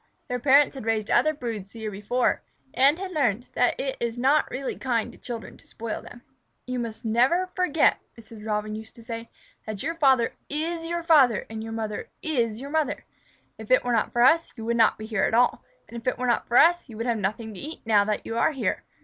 Their parents had raised other broods the year before, and had learned that it is not really kind to children to spoil them. "You must never forget," Mrs. Robin used to say, "that your father is your father and your mother is your mother. If it were not for us, you would not be here at all, and if it were not for us you would have nothing to eat now that you are here.